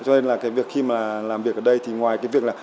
cho nên là cái việc khi mà làm việc ở đây thì ngoài cái việc là